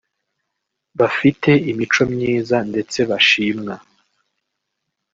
bafite imico myiza ndetse bashimwa